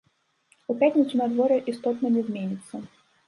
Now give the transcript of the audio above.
У пятніцу надвор'е істотна не зменіцца.